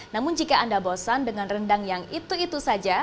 namun jika anda bosan dengan rendang yang itu itu saja